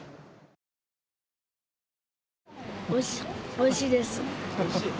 おいしいです。